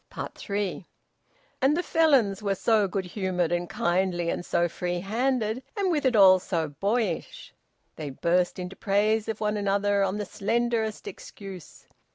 THREE. And the Felons were so good humoured and kindly and so free handed, and, with it all, so boyish! They burst into praise of one another on the slenderest excuse.